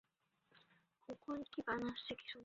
নিজের ভালোর জন্য।